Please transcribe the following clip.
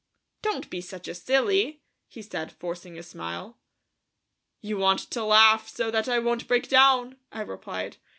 "Don't be such a silly," he said, forcing a smile. "You want to laugh so that I won't break down," I replied.